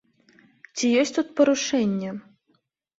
Ці ёсць тут парушэнне?